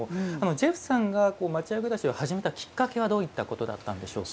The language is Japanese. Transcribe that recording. ジェフさんが町家暮らしを始めたきっかけはどういったことだったんですか。